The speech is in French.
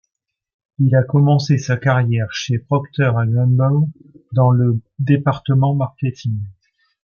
Il a commencé sa carrière chez Procter & Gamble, dans le département marketing.